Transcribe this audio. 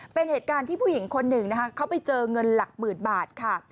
เป็นเหตุการณ์ที่ผู้หญิงคนหนึ่งนะคะเขาไปเจอเงินหลักหมื่นบาทค่ะ